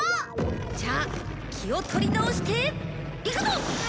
じゃあ気を取り直していくぞ！